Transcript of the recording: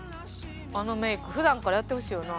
あのメイク普段からやってほしいよな。